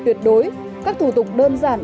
tuyệt đối các thủ tục đơn giản